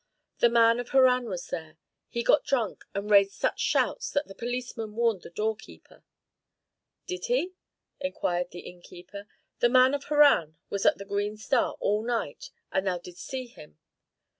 The man of Harran was there; he got drunk and raised such shouts that the policeman warned the doorkeeper." "Did he?" inquired the innkeeper. "The man of Harran was at the 'Green Star' all night, and thou didst see him?"